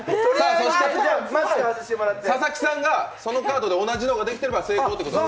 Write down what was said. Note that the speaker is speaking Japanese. そして佐々木さんがそのカードで同じものができていれば成功ということで。